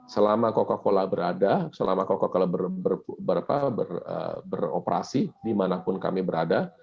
selama coca cola berada selama coca cola beroperasi dimanapun kami berada